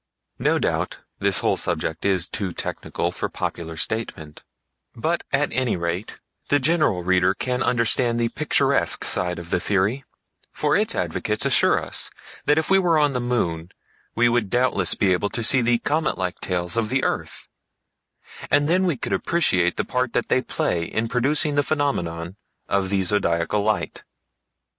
No doubt this whole subject is too technical for popular statement; but at any rate the general reader can understand the picturesque side of the theory, for its advocates assure us that if we were on the moon we would doubtless be able to see the comet like tails of the earth, and then we could appreciate the part that they play in producing the phenomenon of the Zodiacal Light.